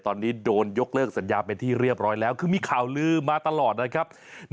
ตอนนี้โดนยกเลิกสัญญาเป็นที่เรียบร้อยแล้วคือมีข่าวลืมมาตลอดนะครับ